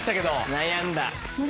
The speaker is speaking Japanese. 悩んだ。